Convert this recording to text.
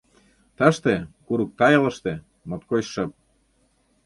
Тыште, курык тайылыште, моткоч шып.